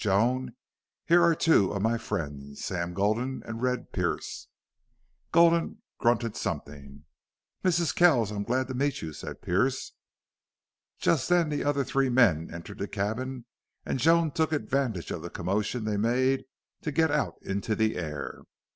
Joan, here are two of my friends Sam Gulden and Red Pearce." Gulden grunted something. "Mrs. Kells, I'm glad to meet you," said Pearce. Just then the other three men entered the cabin and Joan took advantage of the commotion they made to get out into the air.